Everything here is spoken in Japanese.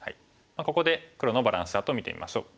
ここで黒のバランスチャートを見てみましょう。